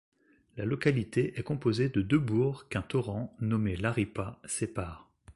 La localité est composé de deux bourgs qu'un torrent, nommé la Ripa sépare.